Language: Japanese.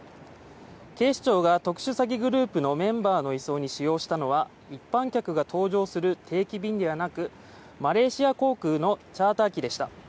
警視庁が特殊詐欺グループのメンバーの移送に使用したのは一般客が搭乗する定期便ではなくマレーシア航空のチャーター機でした。